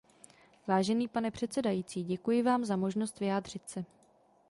Vážený pane předsedající, děkuji vám za možnost vyjádřit se.